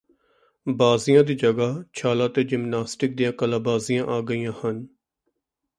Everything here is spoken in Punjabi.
ਬਾਜ਼ੀਆਂ ਦੀ ਜਗ੍ਹਾ ਛਾਲਾਂ ਤੇ ਜਿਮਨਾਸਟਿਕਸ ਦੀਆਂ ਕਲਾਬਾਜ਼ੀਆਂ ਆ ਗਈਆਂ ਹਨ